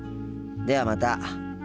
ではまた。